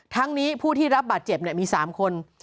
ทั้งนี้ผู้ที่รับบาดเจ็บมี๓คน